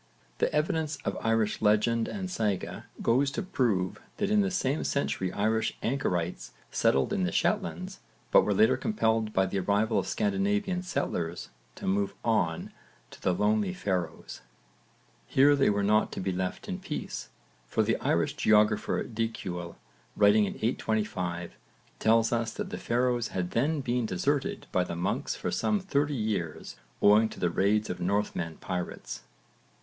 The evidence of Irish legend and saga goes to prove that in the same century Irish anchorites settled in the Shetlands but were later compelled by the arrival of Scandinavian settlers to move on to the lonely Faroes. Here they were not to be left in peace, for the Irish geographer Dicuil, writing in 825, tells us that the Faroes had then been deserted by the monks for some thirty years owing to the raids of Northmen pirates.